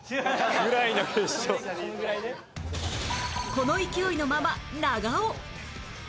この勢いのまま長尾